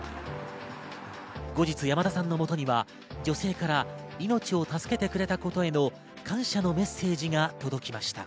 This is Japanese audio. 後日、山田さんのもとには女性から命を助けてくれたことへの感謝のメッセージが届きました。